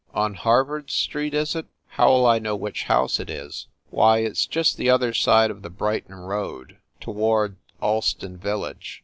"On Harvard Street, is it? How ll I know which house it is?" "Why, it s just the other side of the Brighton road, toward Allston village.